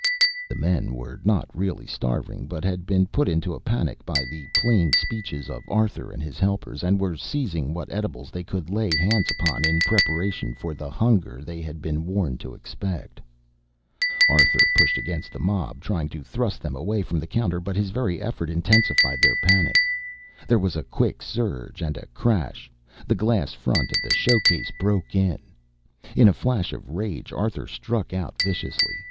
The men were not really starving, but had been put into a panic by the plain speeches of Arthur and his helpers, and were seizing what edibles they could lay hands upon in preparation for the hunger they had been warned to expect. Arthur pushed against the mob, trying to thrust them away from the counter, but his very effort intensified their panic. There was a quick surge and a crash. The glass front of the showcase broke in. In a flash of rage Arthur struck out viciously.